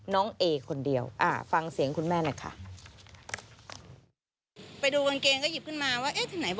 น้องเข้ามาทำอะไร